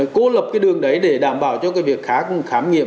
cô lập cái đường đấy để đảm bảo cho cái việc khác khám nghiệm